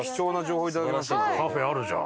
カフェあるじゃん。